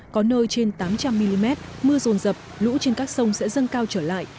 có nơi trên tám trăm linh mm mưa rồn rập lũ trên các sông sẽ dâng cao trở lại